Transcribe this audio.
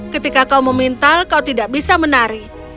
ketika kau memintal kau tidak bisa menari